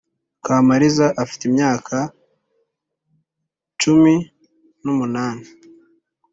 kamariza afite imyaka cumi n’umunani,